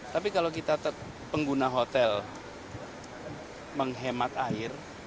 tapi kalau kita pengguna hotel menghemat air